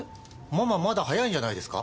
ママまだ早いんじゃないですか？